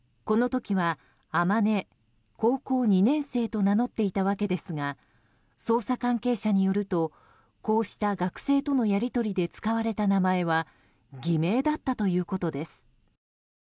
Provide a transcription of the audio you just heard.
この時はあまね、高校２年生と名乗っていたわけですが捜査関係者によるとこうした学生とのやり取りで使われた名前は偽名だったということです。